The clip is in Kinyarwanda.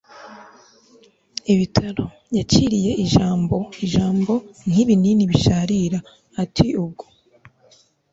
ibitaro! yaciriye ijambo ijambo nk'ibinini bisharira. ati ntabwo